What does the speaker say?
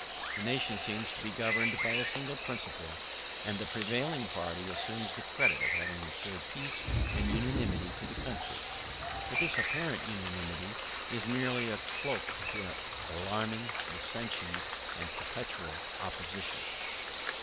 The nation seems to be governed by a single principle, and the prevailing party assumes the credit of having restored peace and unanimity to the country. But this apparent unanimity is merely a cloak to alarming dissensions and perpetual opposition.